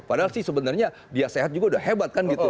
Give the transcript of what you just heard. padahal sih sebenarnya dia sehat juga udah hebat kan gitu